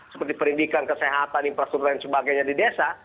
seperti pendidikan kesehatan infrastruktur dan sebagainya di desa